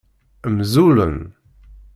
Mzulen.